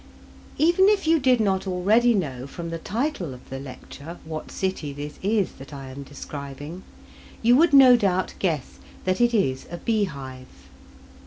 Even if you did not already know from the title of the lecture what city this is that I am describing, you would no doubt guess that it is a beehive.